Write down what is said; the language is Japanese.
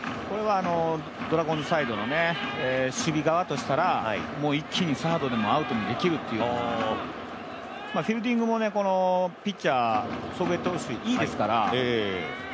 ドラゴンズサイドの守備側としたら、一気にサードでもアウトにできるという、フィールディングもピッチャー祖父江投手、いいですから。